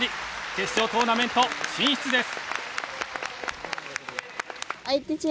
決勝トーナメント進出です。